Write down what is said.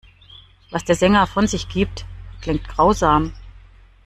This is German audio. Was der Sänger von sich gibt, klingt grausam.